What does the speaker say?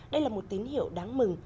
đây là một tín hiệu đáng mừng